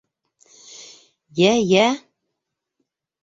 — Йә, йә?